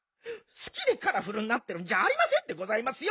すきでカラフルになってるんじゃありませんでございますよ！